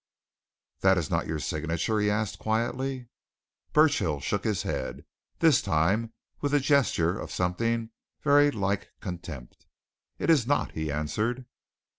"That is not your signature?" he asked quietly. Burchill shook his head this time with a gesture of something very like contempt. "It is not!" he answered.